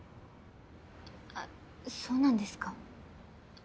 あそうなんですか？